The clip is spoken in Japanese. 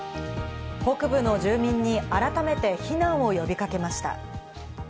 北部の住民に改めて避難を呼び掛けました。